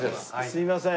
すいません。